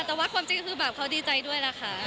แต่ว่าความจริงก็คือแบบเขาดีใจด้วยล่ะค่ะ